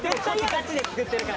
ガチで作ってるから。